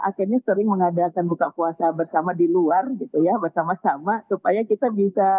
akhirnya sering mengadakan buka puasa bersama di luar gitu ya bersama sama supaya kita bisa